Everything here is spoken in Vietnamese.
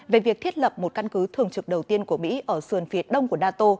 về việc thiết lập một căn cứ thường trực đầu tiên của mỹ ở sườn phú